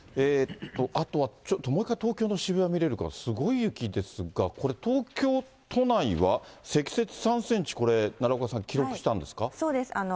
あとは、もう一回、東京の渋谷見れるかな、すごい雪ですが、これ、東京都内は積雪３センチ、これ、奈良岡さん、そうです。